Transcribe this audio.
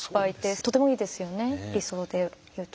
とてもいいですよね理想で言うと。